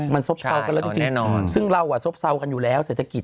มันซบเซากันแล้วจริงซึ่งเราซบเซากันอยู่แล้วเศรษฐกิจ